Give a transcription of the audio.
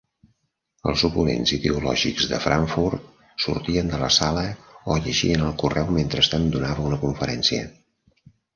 Els oponents ideològics de Frankfurt sortien de la sala o llegien el correu mentrestant donava una conferència.